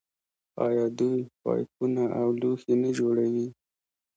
آیا دوی پایپونه او لوښي نه جوړوي؟